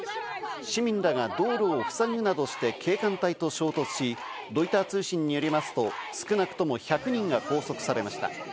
市民らが道路をふさぐなどして警官隊と衝突し、ロイター通信によりますと、少なくとも１００人が拘束されました。